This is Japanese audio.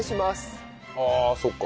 ああそっか。